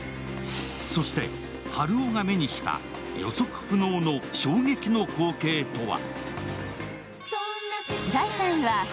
そして、ハルオが目にした予測不能の衝撃の光景とは？